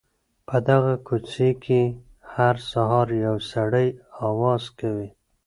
په دغه کوڅې کي هر سهار یو سړی اواز کوي.